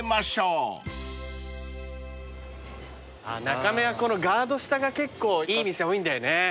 中目はこのガード下が結構いい店多いんだよね。